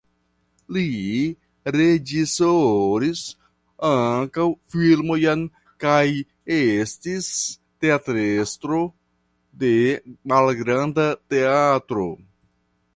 Li reĝisoris ankaŭ filmojn kaj estis teatrestro de malgranda teatro.